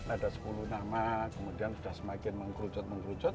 ada sepuluh nama kemudian sudah semakin mengkrucut mengkrucut